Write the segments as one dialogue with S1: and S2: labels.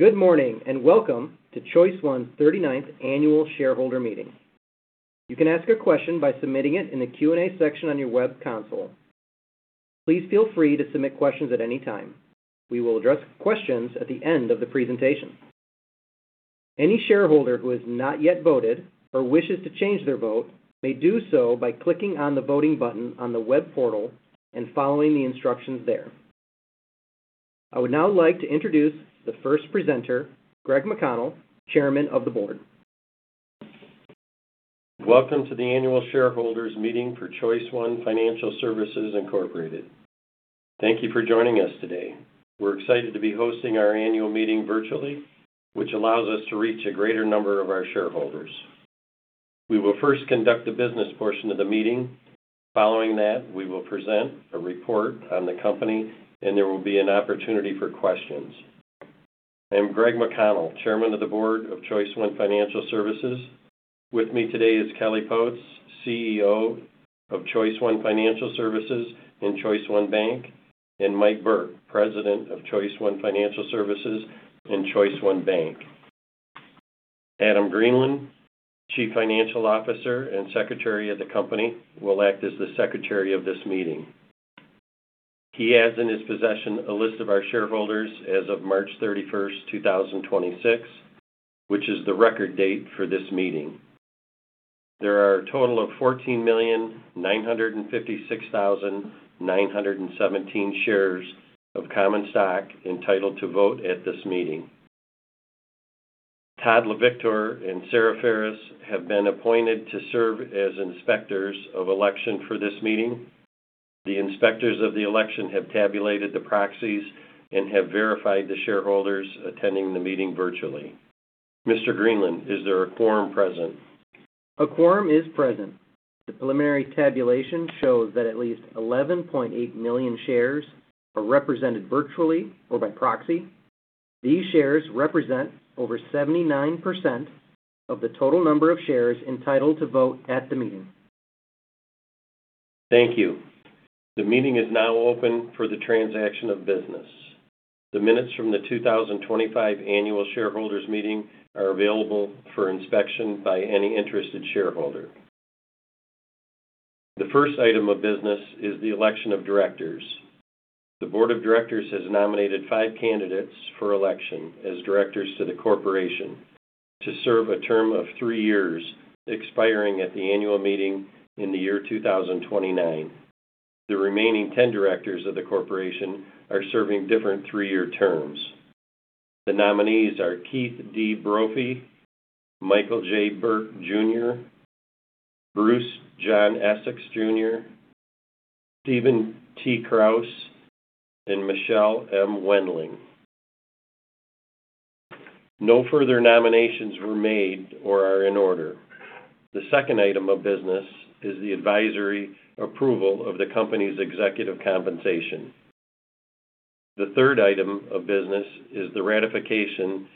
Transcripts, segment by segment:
S1: Good morning, and welcome to ChoiceOne's 39th Annual Shareholder Meeting. You can ask a question by submitting it in the Q&A section on your web console. Please feel free to submit questions at any time. We will address questions at the end of the presentation. Any shareholder who has not yet voted or wishes to change their vote may do so by clicking on the voting button on the web portal and following the instructions there. I would now like to introduce the first presenter, Greg McConnell, Chairman of the Board.
S2: Welcome to the annual shareholders meeting for ChoiceOne Financial Services Incorporated. Thank you for joining us today. We're excited to be hosting our Annual Meeting virtually, which allows us to reach a greater number of our shareholders. We will first conduct the business portion of the meeting. Following that, we will present a report on the company, and there will be an opportunity for questions. I am Greg McConnell, Chairman of the Board of ChoiceOne Financial Services. With me today is Kelly Potes, CEO of ChoiceOne Financial Services and ChoiceOne Bank, and Mike Burke, President of ChoiceOne Financial Services and ChoiceOne Bank. Adom Greenland, Chief Financial Officer and Secretary of the company, will act as the secretary of this meeting. He has in his possession a list of our shareholders as of March 31st, 2026, which is the record date for this meeting. There are a total of 14,956,917 shares of common stock entitled to vote at this meeting. Todd LaVictoire and Sarah Ferris have been appointed to serve as Inspectors of Election for this meeting. The Inspectors of the Election have tabulated the proxies and have verified the shareholders attending the meeting virtually. Mr. Greenland, is there a quorum present?
S1: A quorum is present. The preliminary tabulation shows that at least 11.8 million shares are represented virtually or by proxy. These shares represent over 79% of the total number of shares entitled to vote at the meeting.
S2: Thank you. The meeting is now open for the transaction of business. The minutes from the 2025 annual shareholders meeting are available for inspection by any interested shareholder. The first item of business is the election of directors. The Board of Directors has nominated five candidates for election as Directors to the corporation to serve a term of three years, expiring at the Annual Meeting in the year 2029. The remaining 10 Directors of the corporation are serving different three-year terms. The nominees are Keith D. Brophy, Michael J. Burke Jr., Bruce John Essex Jr., Steven T. Krause, and Michelle M. Wendling. No further nominations were made or are in order. The second item of business is the advisory approval of the company's executive compensation. The third item of business is the ratification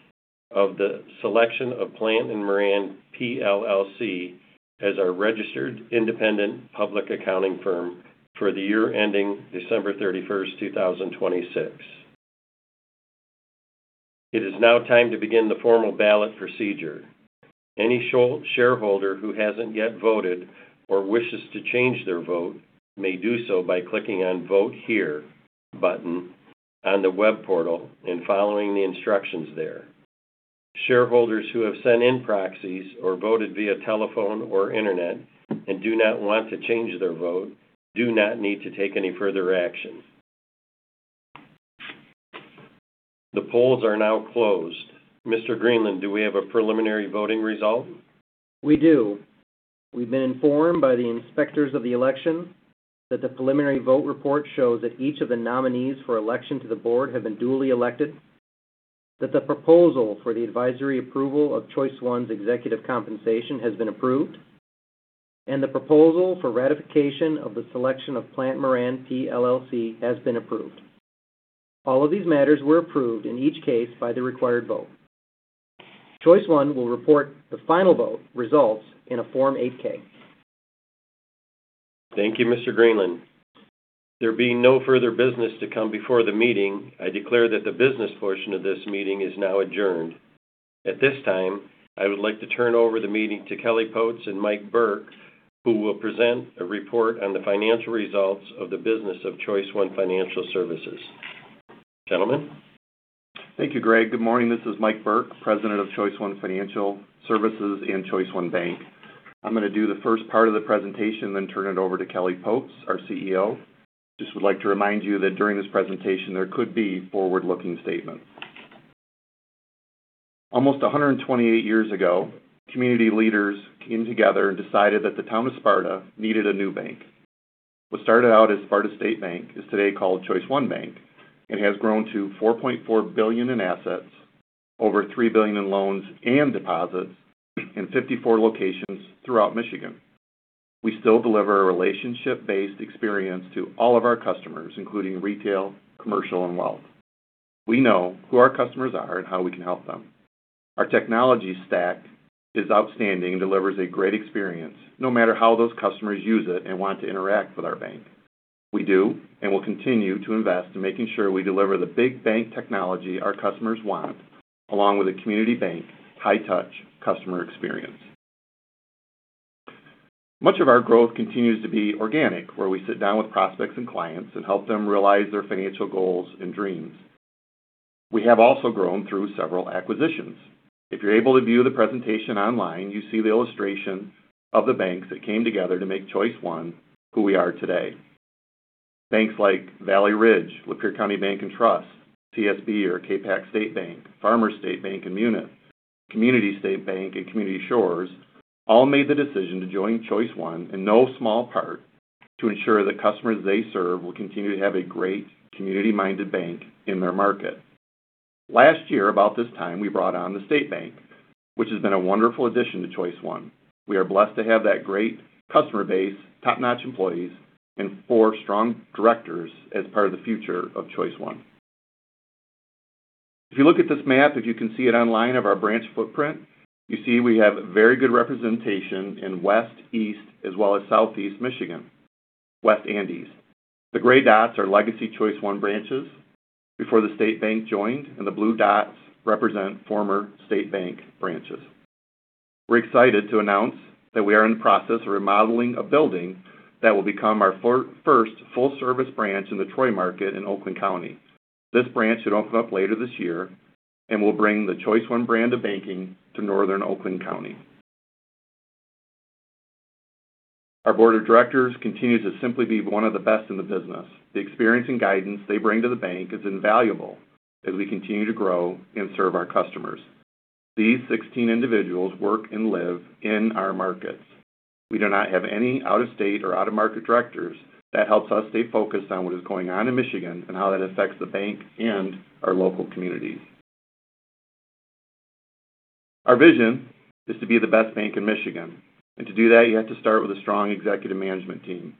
S2: of the selection of Plante & Moran, PLLC as our registered independent public accounting firm for the year ending December 31st, 2026. It is now time to begin the formal ballot procedure. Any shareholder who hasn't yet voted or wishes to change their vote may do so by clicking on Vote Here button on the web portal and following the instructions there. Shareholders who have sent in proxies or voted via telephone or internet and do not want to change their vote do not need to take any further action. The polls are now closed. Mr. Greenland, do we have a preliminary voting result?
S1: We do. We've been informed by the Inspectors of the Election that the preliminary vote report shows that each of the nominees for election to the board have been duly elected, that the proposal for the advisory approval of ChoiceOne's executive compensation has been approved, and the proposal for ratification of the selection of Plante & Moran, PLLC has been approved. All of these matters were approved in each case by the required vote. ChoiceOne will report the final vote results in a Form 8-K.
S2: Thank you, Mr. Greenland. There being no further business to come before the meeting, I declare that the business portion of this meeting is now adjourned. At this time, I would like to turn over the meeting to Kelly Potes and Mike Burke who will present a report on the financial results of the business of ChoiceOne Financial Services. Gentlemen.
S3: Thank you, Greg. Good morning. This is Mike Burke, President of ChoiceOne Financial Services and ChoiceOne Bank. I'm gonna do the first part of the presentation, then turn it over to Kelly Potes, our CEO. Just would like to remind you that during this presentation, there could be forward-looking statements. Almost 128 years ago, community leaders came together and decided that the town of Sparta needed a new bank. What started out as Sparta State Bank is today called ChoiceOne Bank and has grown to $4.4 billion in assets, over $3 billion in loans and deposits, and 54 locations throughout Michigan. We still deliver a relationship-based experience to all of our customers, including retail, commercial, and wealth. We know who our customers are and how we can help them. Our technology stack is outstanding and delivers a great experience no matter how those customers use it and want to interact with our bank. We do and will continue to invest in making sure we deliver the big bank technology our customers want along with a community bank high touch customer experience. Much of our growth continues to be organic, where we sit down with prospects and clients and help them realize their financial goals and dreams. We have also grown through several acquisitions. If you're able to view the presentation online, you see the illustration of the banks that came together to make ChoiceOne who we are today. Banks like Valley Ridge, Lapeer County Bank and Trust, CSB or Capac State Bank, Farmers State Bank in Munith, Community State Bank, and Community Shores all made the decision to join ChoiceOne in no small part to ensure the customers they serve will continue to have a great community-minded bank in their market. Last year about this time, we brought on The State Bank, which has been a wonderful addition to ChoiceOne. We are blessed to have that great customer base, top-notch employees, and four strong directors as part of the future of ChoiceOne. If you look at this map, if you can see it online of our branch footprint, you see we have very good representation in West, East, as well as Southeast Michigan, West and East. The gray dots are legacy ChoiceOne branches before The State Bank joined, and the blue dots represent former The State Bank branches. We're excited to announce that we are in the process of remodeling a building that will become our first full-service branch in the Troy market in Oakland County. This branch should open up later this year and will bring the ChoiceOne brand of banking to Northern Oakland County. Our Board of Directors continues to simply be one of the best in the business. The experience and guidance they bring to the bank is invaluable as we continue to grow and serve our customers. These 16 individuals work and live in our markets. We do not have any out-of-state or out-of-market directors. That helps us stay focused on what is going on in Michigan and how that affects the bank and our local communities. Our vision is to be the best bank in Michigan. To do that, you have to start with a strong executive management team.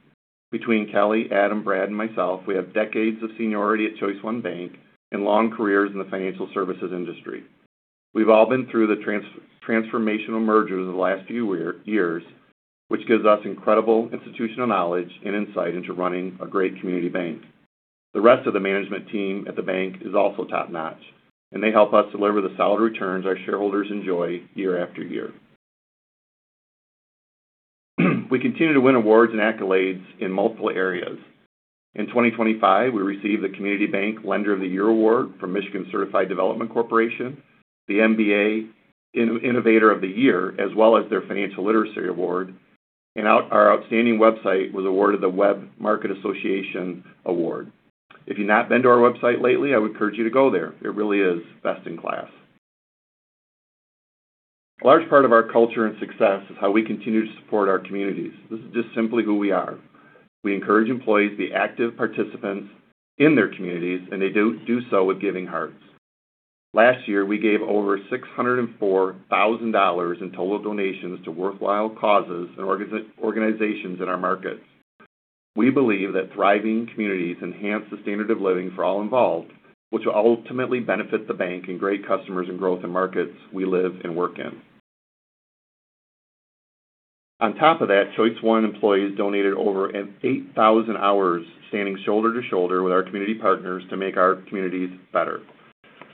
S3: Between Kelly, Adom, Brad, and myself, we have decades of seniority at ChoiceOne Bank and long careers in the financial services industry. We've all been through the transformational mergers of the last few years, which gives us incredible institutional knowledge and insight into running a great community bank. The rest of the management team at the bank is also top-notch, and they help us deliver the solid returns our shareholders enjoy year after year. We continue to win awards and accolades in multiple areas. In 2025, we received the Community Bank Lender of the Year Award from Michigan Certified Development Corporation, the MBA Innovator of the Year, as well as their Financial Literacy Award. Our outstanding website was awarded the Web Marketing Association Award. If you've not been to our website lately, I would encourage you to go there. It really is best in class. A large part of our culture and success is how we continue to support our communities. This is just simply who we are. We encourage employees to be active participants in their communities, and they do so with giving hearts. Last year, we gave over $604,000 in total donations to worthwhile causes and organizations in our markets. We believe that thriving communities enhance the standard of living for all involved, which will ultimately benefit the bank and great customers and growth in markets we live and work in. On top of that, ChoiceOne employees donated over 8,000-hours standing shoulder to shoulder with our community partners to make our communities better.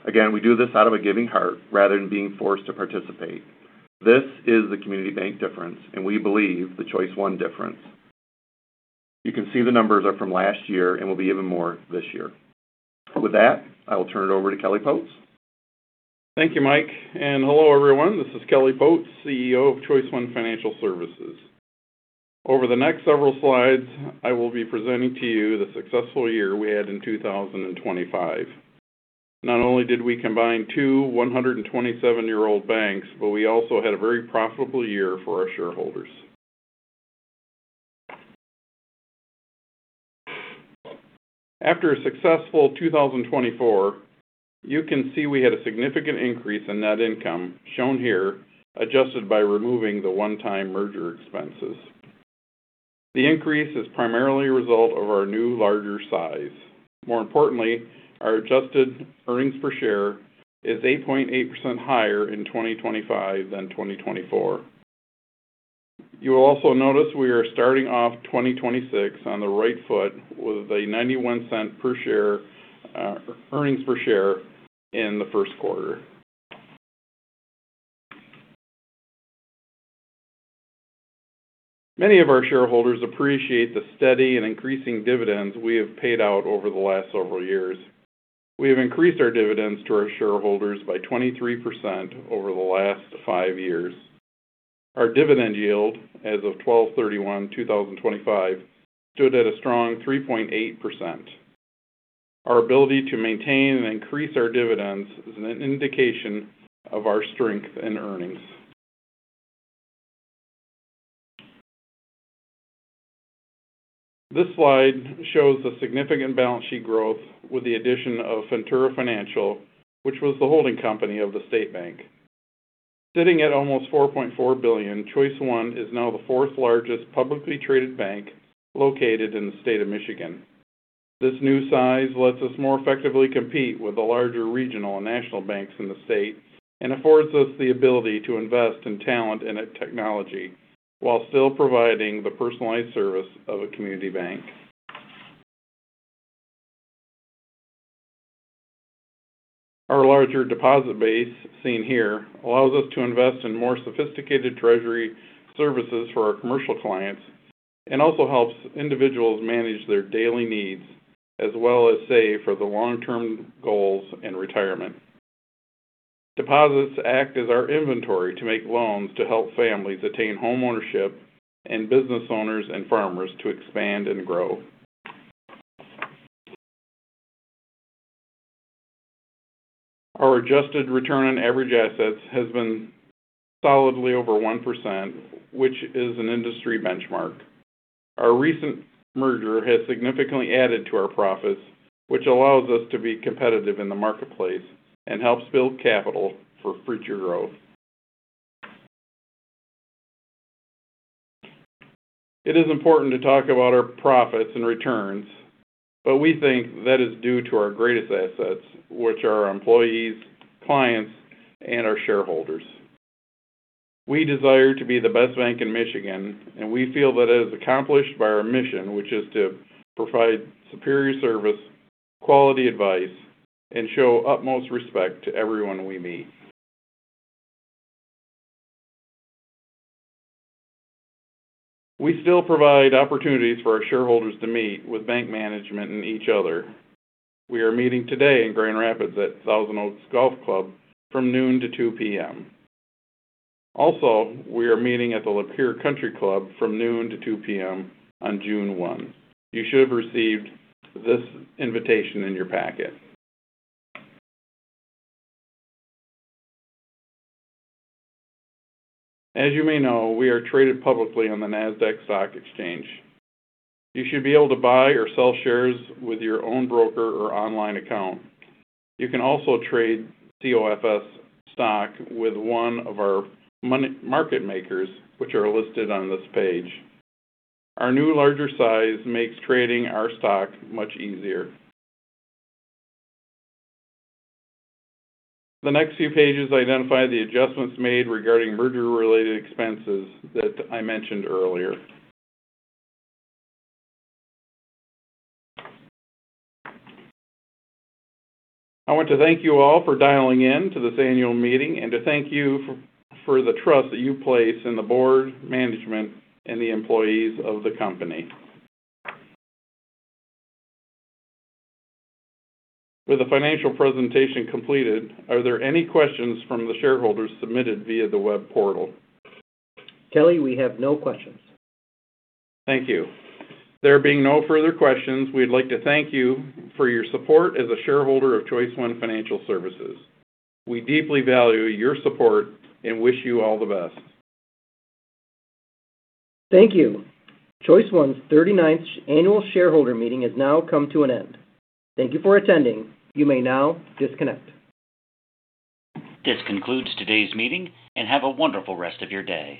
S3: Again, we do this out of a giving heart rather than being forced to participate. This is the community bank difference, and we believe the ChoiceOne difference. You can see the numbers are from last year and will be even more this year. With that, I will turn it over to Kelly Potes.
S4: Thank you, Mike, and hello, everyone. This is Kelly Potes, CEO of ChoiceOne Financial Services. Over the next several slides, I will be presenting to you the successful year we had in 2025. Not only did we combine two 127-year-old banks, but we also had a very profitable year for our shareholders. After a successful 2024, you can see we had a significant increase in net income, shown here, adjusted by removing the one-time merger expenses. The increase is primarily a result of our new larger size. More importantly, our adjusted earnings per share is 8.8% higher in 2025 than 2024. You will also notice we are starting off 2026 on the right foot with a $0.91 per share earnings per share in the first quarter. Many of our shareholders appreciate the steady and increasing dividends we have paid out over the last several years. We have increased our dividends to our shareholders by 23% over the last five years. Our dividend yield as of 12/31/2025 stood at a strong 3.8%. Our ability to maintain and increase our dividends is an indication of our strength and earnings. This slide shows the significant balance sheet growth with the addition of Fentura Financial, which was the holding company of The State Bank. Sitting at almost $4.4 billion, ChoiceOne is now the fourth largest publicly traded bank located in the state of Michigan. This new size lets us more effectively compete with the larger regional and national banks in the state and affords us the ability to invest in talent and technology while still providing the personalized service of a community bank. Our larger deposit base, seen here, allows us to invest in more sophisticated treasury services for our commercial clients and also helps individuals manage their daily needs as well as save for the long-term goals and retirement. Deposits act as our inventory to make loans to help families attain homeownership and business owners and farmers to expand and grow. Our adjusted return on average assets has been solidly over 1%, which is an industry benchmark. Our recent merger has significantly added to our profits, which allows us to be competitive in the marketplace and helps build capital for future growth. It is important to talk about our profits and returns, but we think that is due to our greatest assets, which are our employees, clients, and our shareholders. We desire to be the best bank in Michigan, and we feel that is accomplished by our mission, which is to provide superior service, quality advice, and show utmost respect to everyone we meet. We still provide opportunities for our shareholders to meet with bank management and each other. We are meeting today in Grand Rapids at Thousand Oaks Golf Club from noon to 2:00 P.M. Also, we are meeting at the Lapeer Country Club from noon to 2:00 P.M. on June 1. You should have received this invitation in your packet. As you may know, we are traded publicly on the Nasdaq Stock Exchange. You should be able to buy or sell shares with your own broker or online account. You can also trade COFS stock with one of our market makers, which are listed on this page. Our new larger size makes trading our stock much easier. The next few pages identify the adjustments made regarding merger-related expenses that I mentioned earlier. I want to thank you all for dialing in to this Annual Meeting and to thank you for the trust that you place in the board, management, and the employees of the company. With the financial presentation completed, are there any questions from the shareholders submitted via the web portal?
S1: Kelly, we have no questions.
S4: Thank you. There being no further questions, we'd like to thank you for your support as a shareholder of ChoiceOne Financial Services. We deeply value your support and wish you all the best.
S1: Thank you. ChoiceOne's 39th Annual Shareholder Meeting has now come to an end. Thank you for attending. You may now disconnect.
S5: This concludes today's meeting. Have a wonderful rest of your day.